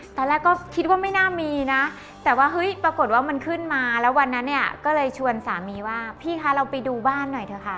ตอนแรกก็คิดว่าไม่น่ามีนะแต่ว่าเฮ้ยปรากฏว่ามันขึ้นมาแล้ววันนั้นเนี่ยก็เลยชวนสามีว่าพี่คะเราไปดูบ้านหน่อยเถอะค่ะ